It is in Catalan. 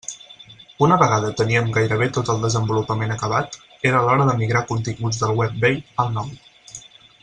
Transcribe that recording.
Una vegada teníem gairebé tot el desenvolupament acabat, era l'hora de migrar continguts del web vell al nou.